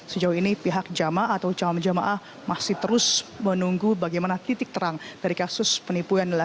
sejauh ini pihak jamaah atau calon jamaah masih terus menunggu bagaimana titik terang dari kasus penipuan